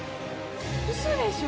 ウソでしょ？